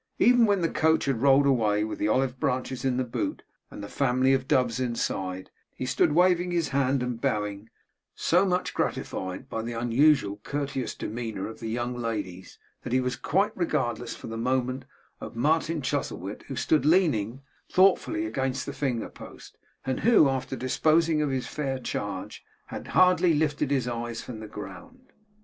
Even when the coach had rolled away with the olive branches in the boot and the family of doves inside, he stood waving his hand and bowing; so much gratified by the unusually courteous demeanour of the young ladies, that he was quite regardless, for the moment, of Martin Chuzzlewit, who stood leaning thoughtfully against the finger post, and who after disposing of his fair charge had hardly lifted his eyes from the ground.